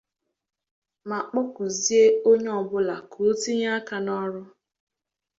ma kpọkuzie onye ọbụla ka o tinye aka n'ọrụ